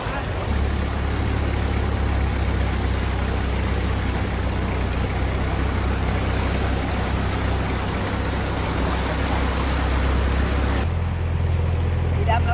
มันกลายเป้าหมายมากกว่า